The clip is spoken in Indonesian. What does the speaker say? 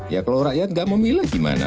ya kalau rakyat nggak memilih gimana